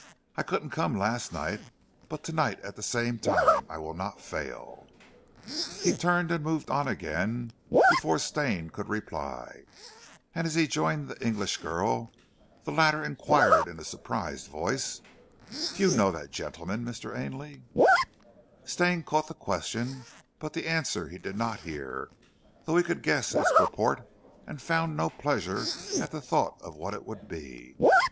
I couldn't come last night, but tonight at the same time I will not fail." He turned and moved on again before Stane could reply, and as he joined the English girl, the latter inquired in a surprised voice, "You know that gentleman, Mr. Ainley?" Stane caught the question, but the answer he did not hear, though he could guess its purport and found no pleasure at the thought of what it would be.